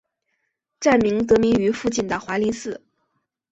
站名得名于附近的华林寺。